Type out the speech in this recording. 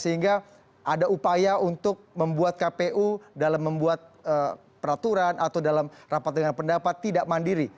sehingga ada upaya untuk membuat kpu dalam membuat peraturan atau dalam rapat dengan pendapat tidak mandiri